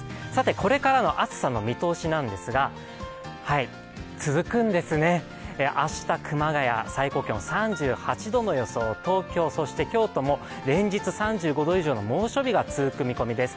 これからの暑さの見通しなんですが、続くんですね、明日熊谷、最高気温３８度の予想、東京、そして京都も連日３５度以上の猛暑日が続く見込みです。